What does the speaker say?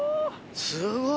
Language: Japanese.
すごい！